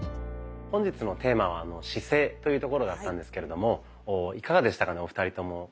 本日のテーマは「姿勢」というところだったんですけれどもいかがでしたかねお二人とも。